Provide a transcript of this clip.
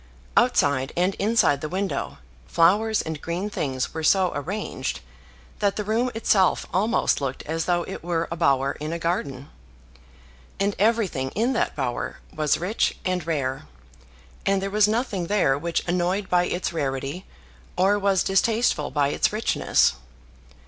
Outside and inside the window, flowers and green things were so arranged that the room itself almost looked as though it were a bower in a garden. And everything in that bower was rich and rare; and there was nothing there which annoyed by its rarity or was distasteful by its richness.